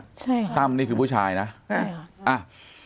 ใช่ค่ะตั้มนี่คือผู้ชายนะใช่ค่ะอ่า